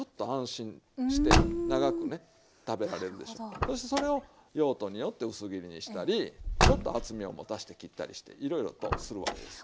そしてそれを用途によって薄切りにしたりちょっと厚みを持たして切ったりしていろいろとするわけですよ。